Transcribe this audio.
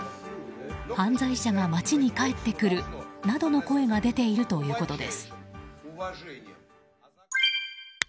犯罪者が街に帰ってくるなどの声が出ているとのことです。